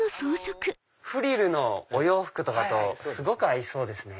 フリルのお洋服とかとすごく合いそうですね。